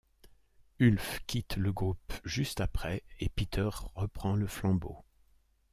Ulf quitte le groupe juste après, et Peter reprend le flambeau.